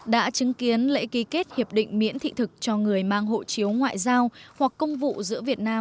đã chứng kiến lễ ký kết hiệp định miễn thị thực cho người mang hộ chiếu ngoại giao hoặc công vụ giữa việt nam